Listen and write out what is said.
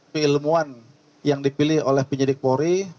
keilmuan yang dipilih oleh penyidik polri